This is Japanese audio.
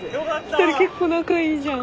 ２人結構仲いいじゃん。